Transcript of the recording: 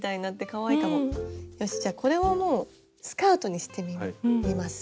よしじゃこれをスカートにしてみます。